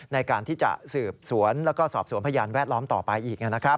ในการที่จะสืบสวนแล้วก็สอบสวนพยานแวดล้อมต่อไปอีก